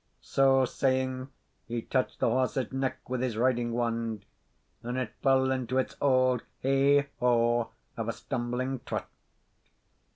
So saying, he touched the horse's neck with his riding wand, and it fell into its auld heigh ho of a stumbling trot.